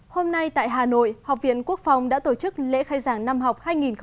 hôm nay tại hà nội học viện quốc phòng đã tổ chức lễ khai giảng năm học hai nghìn hai mươi hai nghìn hai mươi